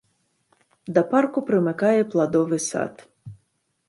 Да парку прымыкае пладовы сад.